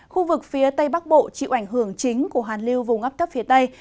khu vực phía tây bắc bộ chịu ảnh hưởng chính của hàn liêu vùng ngắp cấp phía tây